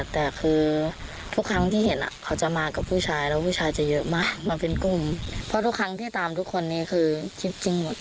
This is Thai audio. เธอยกับพวกว่ากลุ่มจะอะไรครับ